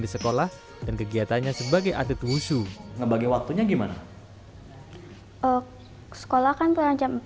di sekolah dan kegiatannya sebagai adik khusus ngebagi waktunya gimana oh sekolah kan pelajar